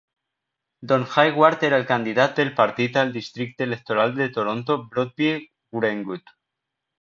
Don Hayward era el candidat del partit al districte electoral de Toronto Broadview-Greenwood.